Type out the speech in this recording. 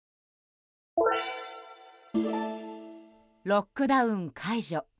ロックダウン解除。